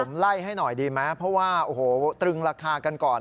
ผมไล่ให้หน่อยดีไหมเพราะว่าโอ้โหตรึงราคากันก่อน